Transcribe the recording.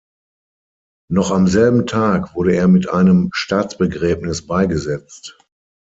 Noch am selben Tag wurde er mit einem Staatsbegräbnis beigesetzt.